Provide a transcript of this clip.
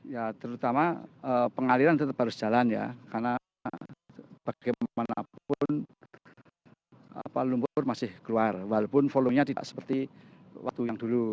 ya terutama pengaliran tetap harus jalan ya karena bagaimanapun lumpur masih keluar walaupun volumenya tidak seperti waktu yang dulu